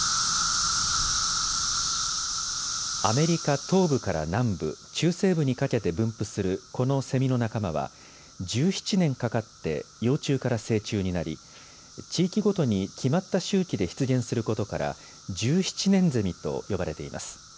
アメリカ東部から南部、中西部にかけて分布するこのセミの仲間は１７年かかって幼虫から成虫になり、地域ごとに決まった周期で出現することから１７年ゼミと呼ばれています。